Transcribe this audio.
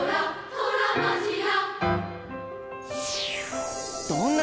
トラマジラ！」